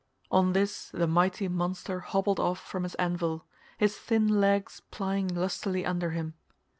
On this the mighty monster hobbled off from his anvil, his thin legs plying lustily under him.